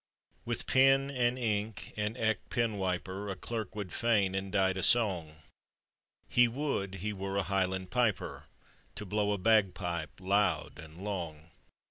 With pen and ink and eke pen wiper, A clerk would fain indite a song; He would he were a Highland piper, To blow a bagpipe loud and long.